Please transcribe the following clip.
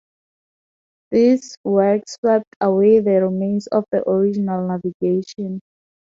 These works swept away the remains of the original navigation.